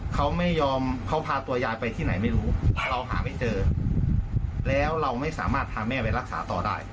เขาไม่ยอมเขาพาตัวยายไปที่ไหนไม่รู้เราหาไม่เจอแล้วเราไม่สามารถพาแม่ไปรักษาต่อได้